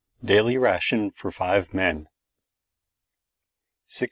DAILY RATION FOR FIVE MEN SUN.